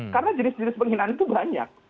karena jenis jenis penghinaan itu banyak